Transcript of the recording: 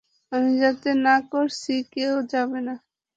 আমি যাতে না করেছি কেউ যাবে না।